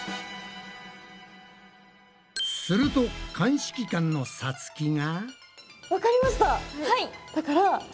すると鑑識官のさつきが。